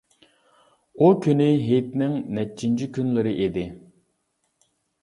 ئۇ كۈنى ھېيتنىڭ نەچچىنچى كۈنلىرى ئىدى.